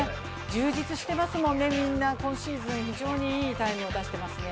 充実していますもんね、みんな今シーズン非常にいいタイムを出していますね。